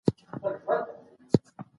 حقوقپوهان به انفرادي حقونه خوندي کړي.